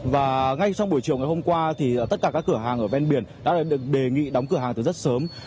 và ngay trong buổi chiều ngày hôm qua thì tất cả các cửa hàng ở ven biển đã được đề nghị đóng cửa hàng từ rất sớm